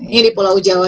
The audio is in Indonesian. ini di pulau jawa